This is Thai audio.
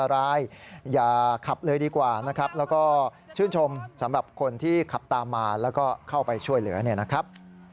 แล้วก็ชื่นชมสำหรับคนที่ขับตามมาแล้วก็เข้าไปช่วยเหลือนะครับ